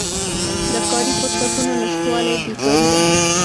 د کاري فرصتونو نشتوالی بیکاري ده.